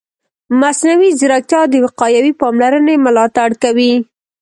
مصنوعي ځیرکتیا د وقایوي پاملرنې ملاتړ کوي.